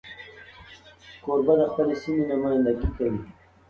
کوربه د خپلې سیمې نمایندګي کوي.